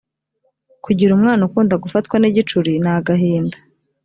kugira umwana ukunda gufatwa n’ igicuri ni agahinda